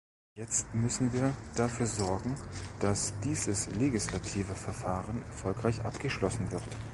Jetzt müssen wir dafür sorgen, dass dieses legislative Verfahren erfolgreich abgeschlossen wird.